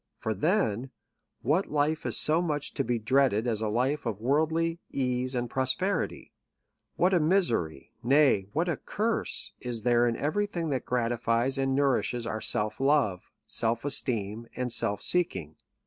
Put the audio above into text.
for then, what life is so much to be dreaded as a life of worldly ease and prosperity ? what a misery, nay, what a curse, is there in every thing that gratifies and nourishes our self love, self esteem, and self seeking